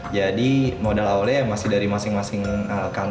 jadi modal awalnya masih dari masing masing kantong founder sih sebenarnya